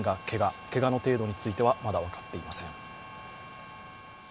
けがの程度についてはまだ分かっていません。